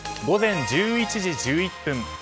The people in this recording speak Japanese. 午前１１時１１分。